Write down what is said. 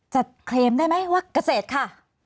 เคลมได้ไหมว่าเกษตรค่ะ